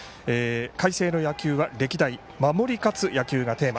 海星の野球は歴代、守り勝つ野球がテーマ。